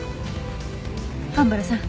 蒲原さん